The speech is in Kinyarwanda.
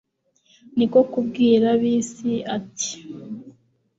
ni ko kubgirabiisi ati